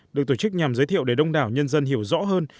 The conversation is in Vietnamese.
được tổ chức nhằm giới thiệu để đông đảo nhân dân hiểu rõ hơn